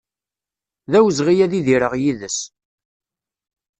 D awezɣi ad idireɣ yid-s